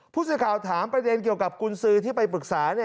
ผู้สื่อข่าวถามประเด็นเกี่ยวกับกุญสือที่ไปปรึกษา